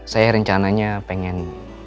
saya rencananya pengen